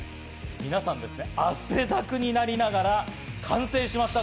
皆さん、汗だくになりながら完成しました。